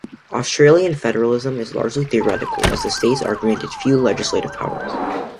Austrian federalism is largely theoretical as the states are granted few legislative powers.